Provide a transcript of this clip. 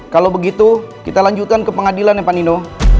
kalau begitu kita lanjutkan ke pengadilan ya pak nino